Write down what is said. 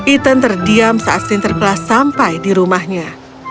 ethan terdiam saat sinterklas sampai di rumahnya